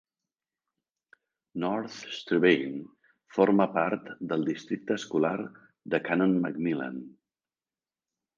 North Strabane forma part del districte escolar de Canon-McMillan.